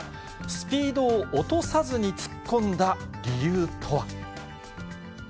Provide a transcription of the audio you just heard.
スピードを落とさずに突っ込んだ理由とは。